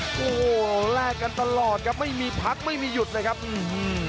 โอ้โหแลกกันตลอดครับไม่มีพักไม่มีหยุดเลยครับอืม